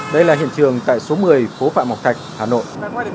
đây là hiện trường tại số một mươi phố phạm ngọc thạch hà nội